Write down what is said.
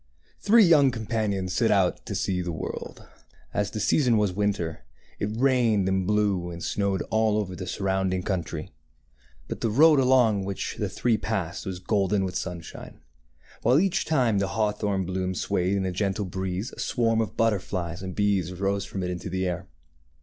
¥ T HREE young companions set out to see the world. As the season was winter, it rained and blew and snowed all over the surrounding coun try, but the road along which the three passed was golden with sunshine; while each time the hawthorn bloom swayed in a gentle breeze a swarm of but terflies and bees rose from it into the air.